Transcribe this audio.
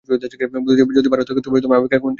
যদি ভারতে থাকো তবে আমেরিকা কোন দিকে?